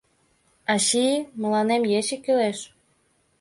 — Ачий, мыланем ече кӱлеш.